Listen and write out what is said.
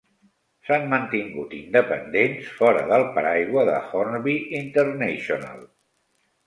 S'han mantingut independents fora del paraigua de Hornby International.